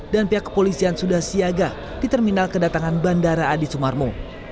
dan pihak kepolisian sudah siaga di terminal kedatangan bandara adi sumarmo